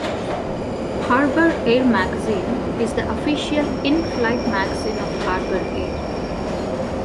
"Harbour Air Magazine" is the official in-flight magazine of Harbour Air.